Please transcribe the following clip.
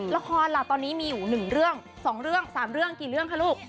ละครล่ะตอนนี้มีอยู่๑เรื่อง๒เรื่อง๓เรื่องกี่เรื่องคะลูก